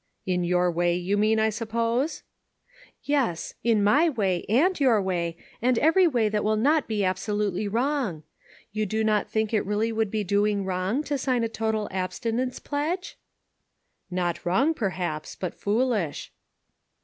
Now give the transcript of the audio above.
" In your way, you mean, I suppose ?"" Yes ; in my way, and your way, and every way that will not be absolutely wrong. You do not think it really would be doing wrong to sign a total abstinence pledge?" " Not wrong, perhaps, but foolish."